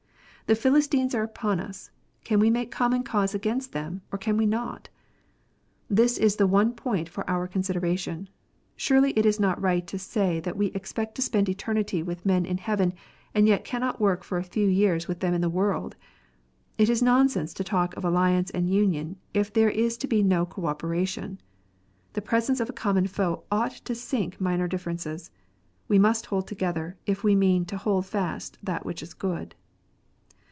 The Philistines are upon us. Can we make common cause against them, or can we not ? This is the one point for our consideration. Surely it is not right to say that we expect to spend eternity with men in heaven, and yet cannot work for a few years with them in this world. It is nonsense to talk of alliance and union, if there is to be no co operation. The presence of a common foe ought to sink minor differences. We must hold together, if we mean to "hold fast that which is good."